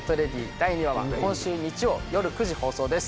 第２話は今週日曜よる９時放送です